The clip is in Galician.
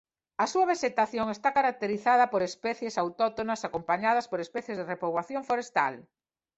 A súa vexetación está caracterizada por especies autóctonas acompañadas por especies de repoboación forestal.